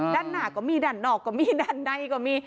ด้านหน้าก็มีด้านนอกก็มีด้านในก็มี